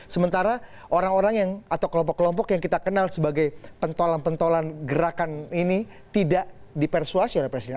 sementara orang orang yang atau kelompok kelompok yang kita kenal sebagai pentolan pentolan gerakan ini tidak dipersuasi oleh presiden